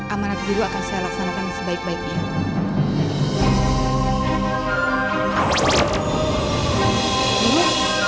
amanah diri akan saya laksanakan sebaik baiknya